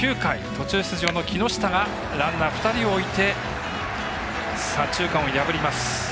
途中出場の木下がランナー２人を置いて左中間を破ります。